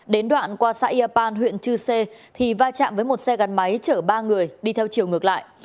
đến đoạn qua xã yapan huyện chư sê thì va chạm với một xe gắn máy chở ba người đi theo chiều ngược lại